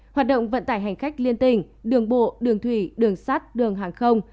hoạt động vận tải hành khách liên tình đường bộ đường thủy đường sắt đường hàng không